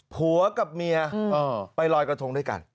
ผัวกับเมียไปลอยกระทงด้วยกัน